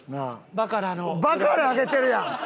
バカラあげてるやん！